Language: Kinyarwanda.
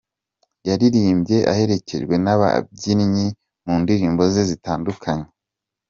Yaririmbye aherekejwe n’ababyinnyi mu ndirimbo ze zitandukanye.